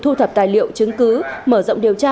thu thập tài liệu chứng cứ mở rộng điều tra